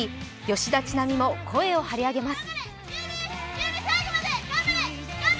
吉田知那美も声を張り上げます。